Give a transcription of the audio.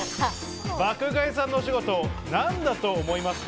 爆買いさんのお仕事、何だと思いますか？